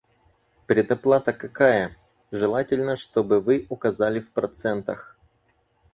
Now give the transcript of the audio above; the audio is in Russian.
Предоплата какая? Желательно, чтобы вы указали в процентах.